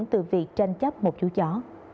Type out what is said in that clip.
từ việc tranh chấp một chú chó